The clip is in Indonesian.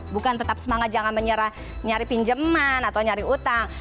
bukan tetap semangat jangan menyerah nyari pinjaman atau nyari utang